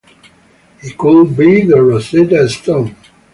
He could be the 'Rosetta Stone'.